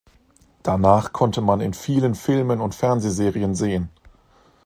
Danach konnte man in vielen Filmen und Fernsehserien sehen.